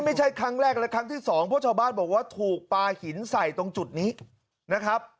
ไม่ใช่ครั้งแรกและครั้งที่สองเพราะชาวบ้านบอกว่าถูกปลาหินใส่ตรงจุดนี้นะครับ